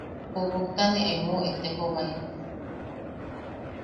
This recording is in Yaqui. Bobokta ne emou etejobae.